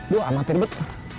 duh amat ribet